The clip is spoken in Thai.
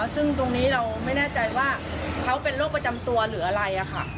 ซึ่งตรงนี้เราไม่แน่ใจว่าเขาเป็นโรคประจำตัวหรืออะไรค่ะ